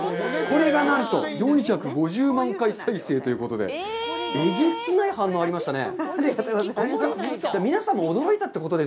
これがなんと４５０万回再生ということで、えげつない反応がありましたね。